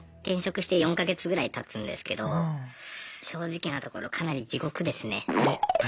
転職して４か月ぐらいたつんですけど正直なところかなり地獄ですね。